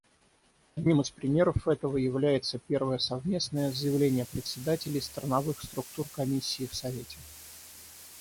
Одним из примеров этого является первое совместное заявление председателей страновых структур Комиссии в Совете.